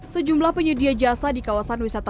sejumlah penyedia jasa di kawasan wisata